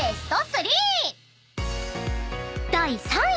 ［第３位］